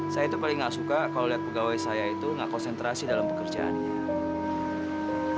saya itu paling gak suka kalau lihat pegawai saya itu nggak konsentrasi dalam pekerjaannya